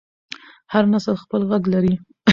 هر نسل خپل غږ لري